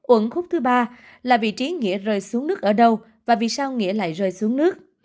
uẩn khúc thứ ba là vị trí nghĩa rơi xuống nước ở đâu và vì sao nghĩa lại rơi xuống nước